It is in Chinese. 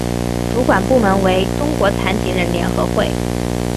主管部门为中国残疾人联合会。